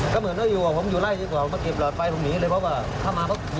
ก็ยังไงทีล็็ดหลบมันให้บาทะคนแบบนี้